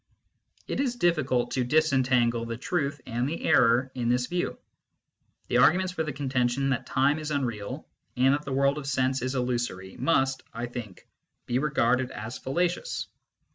It is difficult to disentangle the truth and the error in this view. The arguments for the contention that time is unreal and that the world of sense is illusory must, I think, be regarded as fallacious.